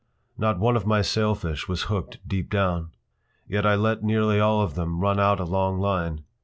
Not one of my sailfish was hooked deep down. Yet I let nearly all of them run out a long line.